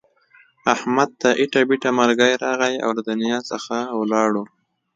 احمد ته ایټه بیټه مرگی راغی او له دنیا څخه ولاړو.